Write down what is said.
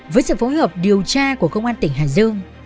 với sự phối hợp điều tra của công an tỉnh hải dương